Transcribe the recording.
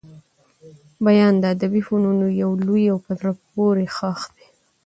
بیان د ادبي فنونو يو لوی او په زړه پوري ښاخ دئ.